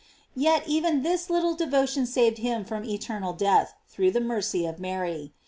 Yet, even this little devotion saved him from eternal death, through the mercy of Mary.